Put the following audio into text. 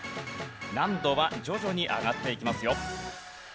難度は徐々に上がっていきますよ。